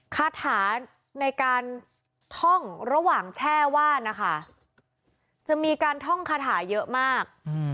คาถาในการท่องระหว่างแช่ว่านนะคะจะมีการท่องคาถาเยอะมาก